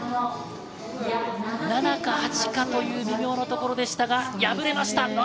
７か８か微妙なところですが、敗れました。